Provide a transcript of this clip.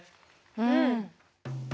うん！